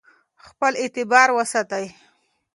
خپل اعتبار وساتئ.